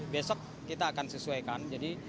besok kita akan sesuaikan